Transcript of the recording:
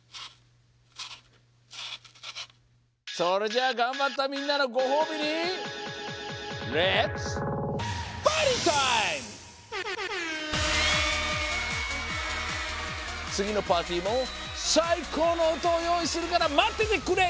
それじゃあがんばったみんなのごほうびにレッツつぎのパーティーもさいこうの音をよういするからまっててくれＹＯ！